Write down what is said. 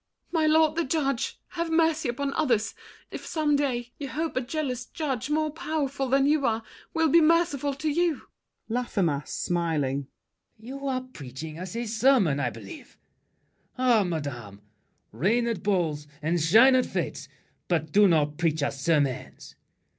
My lord the judge, Have mercy upon others, if some day You hope a jealous judge, more powerful Than you are, will be merciful to you! LAFFEMAS (smiling). You're preaching us a sermon, I believe! Ah, madame, reign at balls and shine at fêtes, But do not preach us sermons.